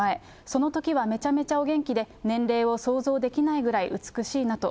そのときはめちゃめちゃお元気で、年齢を想像できないぐらい美しいなと。